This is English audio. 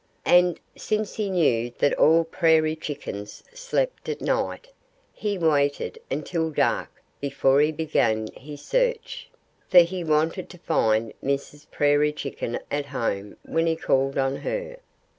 And since he knew that all prairie chickens slept at night, he waited until dark before he began his search, for he wanted to find Mrs. Prairie Chicken at home when he called on her.